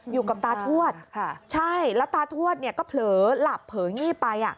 อยู่กับตาทวดใช่แล้วตาทวดเนี่ยก็เผลอหลับเผลองีบไป